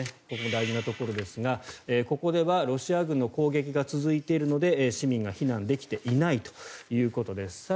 ここも大事なところですがここではロシア軍の攻撃が続いているので市民が避難できていないということです。